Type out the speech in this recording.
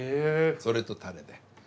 それとタレで。